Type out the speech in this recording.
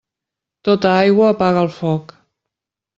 Tota aigua apaga el foc.